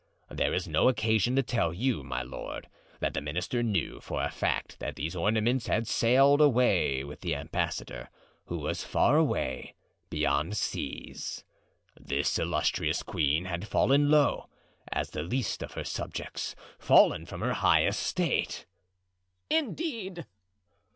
There is no occasion to tell you, my lord, that the minister knew for a fact that these ornaments had sailed away with the ambassador, who was far away, beyond seas. This illustrious queen had fallen low as the least of her subjects—fallen from her high estate." "Indeed!"